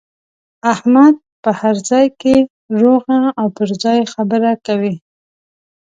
احمد په هر ځای کې روغه او پر ځای خبره کوي.